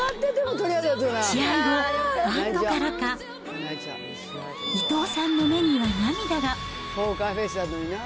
試合後、安どからか、伊藤さんの目には涙が。